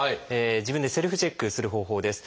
自分でセルフチェックする方法です。